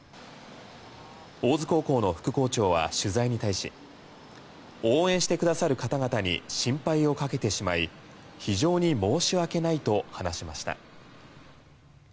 大津高校の副校長は取材に対し応援してくださる方々に心配をかけてしまい非常に申し訳ないと話しました。